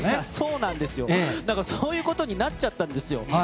なんかそういうことになっちゃったんですよ。